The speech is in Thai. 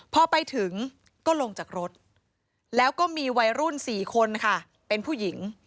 พอไปถึงก็ลงจากรถแล้วก็มีวัยรุ่น๔คนค่ะเป็นผู้หญิง